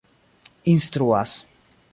instruas